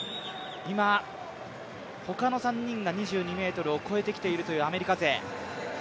今、他の３人が２２ｍを越えてきているというアメリカ勢。